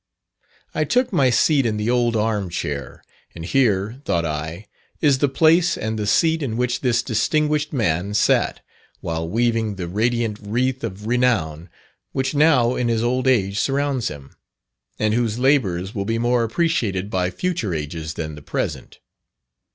I took my seat in the "old arm chair;" and here, thought I, is the place and the seat in which this distinguished man sat, while weaving the radiant wreath of renown which now in his old age surrounds him, and whose labours will be more appreciated by future ages than the present.